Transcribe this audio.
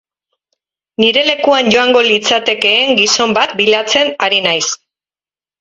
Nire lekuan joango litzatekeen gizon bat bilatzen ari naiz.